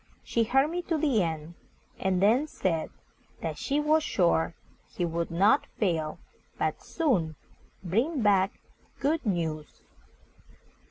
She heard me to the end, and then said that she was sure he would not fail, but soon bring back good news.